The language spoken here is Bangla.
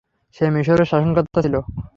সে মিসরের শাসনকর্তা ছিল।